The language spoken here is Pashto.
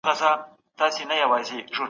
نجوني او هلکان باید ښوونځیو ته ولاړ سي.